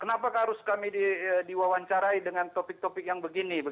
kenapa harus kami diwawancarai dengan topik topik yang begini